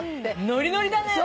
ノリノリだね。